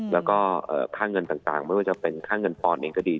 แล้วก็ค่าเงินต่างไม่ว่าจะเป็นค่าเงินปอนด์เองก็ดี